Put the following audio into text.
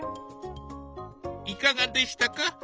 いかがでしたか？